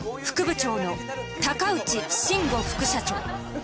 副部長の内信吾副社長。